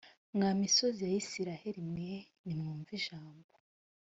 mwa misozi ya isirayeli mwe nimwumve ijambo